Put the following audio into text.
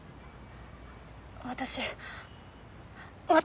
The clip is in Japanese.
私私！